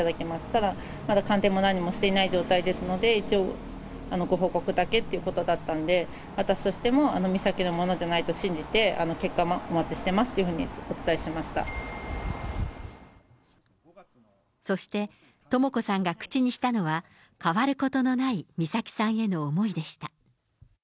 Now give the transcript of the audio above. ただ、まだ鑑定も何もしていない状態ですので、一応、ご報告だけってことだったので、私としても美咲のものじゃないと信じて、結果をお待ちしてますとそして、とも子さんが口にしたのは、変わることのない美咲さんへの思いでした。